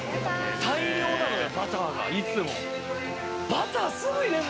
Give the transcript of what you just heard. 大量なのよバターがいつも。